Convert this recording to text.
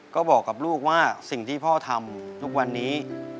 ก็บอกกับลูกว่าสิ่งที่พ่อทำทุกวันนี้